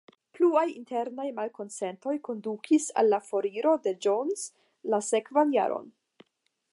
Pluaj internaj malkonsentoj kondukis al la foriro de Jones la sekvan jaron.